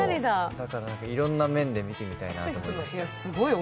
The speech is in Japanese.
だから、いろんな面で見てみたいなって思って。